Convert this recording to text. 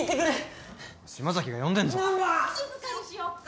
静かにしよっか。